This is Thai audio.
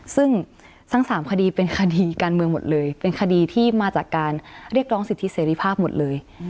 ซึ่งทั้ง๓คดีเป็นคดีการเมืองหมดเลยเป็นคดีที่มาจากการเรียกร้องสิทธิเสรีภาพหมดเลย